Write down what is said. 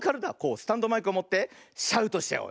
スタンドマイクをもってシャウトしちゃおう。